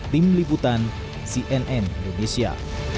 tim liputan cnn indonesia